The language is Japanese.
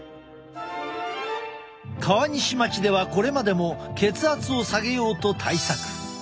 川西町ではこれまでも血圧を下げようと対策。